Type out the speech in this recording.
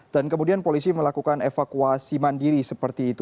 kemudian polisi melakukan evakuasi mandiri seperti itu